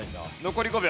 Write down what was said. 残り５秒。